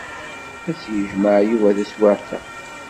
Ad t-yejmeɛ Yuba taswiɛt-a.